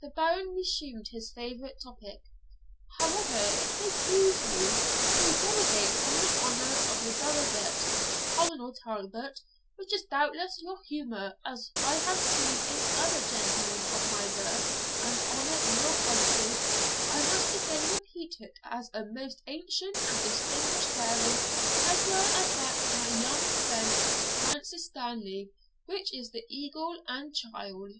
The Baron resumed his favourite topic 'However it may please you to derogate from the honour of your burgonet, Colonel Talbot, which is doubtless your humour, as I have seen in other gentlemen of birth and honour in your country, I must again repeat it as a most ancient and distinguished bearing, as well as that of my young friend Francis Stanley, which is the eagle and child.'